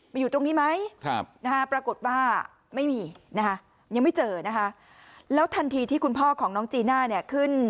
อยู่ตรงนี้ไหมปรากฏว่าไม่มีนะคะยังไม่เจอนะคะแล้วทันทีที่คุณพ่อของน้องจีน่าเนี่ยขึ้น